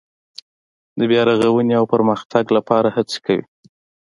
د بیا رغاونې او پرمختګ لپاره هڅې کوي.